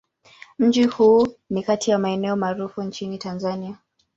Mji huu ni kati ya maeneo maarufu nchini Tanzania.